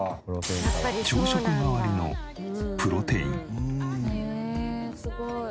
朝食代わりのプロテイン。